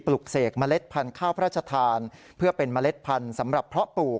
ลูกเสกเมล็ดพันธุ์ข้าวพระราชทานเพื่อเป็นเมล็ดพันธุ์สำหรับเพาะปลูก